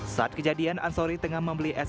saat kejadian ansori tengah membeli es